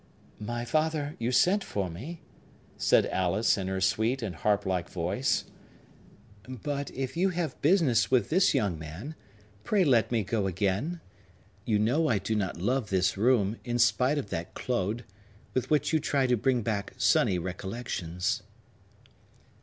"My father, you sent for me," said Alice, in her sweet and harp like voice. "But, if you have business with this young man, pray let me go again. You know I do not love this room, in spite of that Claude, with which you try to bring back sunny recollections."